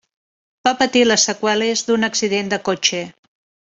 Va patir les seqüeles d'un accident de cotxe.